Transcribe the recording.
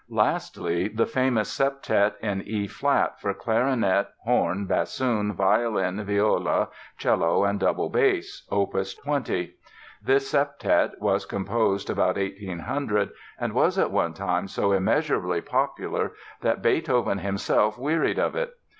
Lastly, the famous Septet in E flat, for clarinet, horn, bassoon, violin, viola, cello, and double bass, opus 20. This septet was composed about 1800 and was at one time so immeasurably popular that Beethoven himself wearied of it.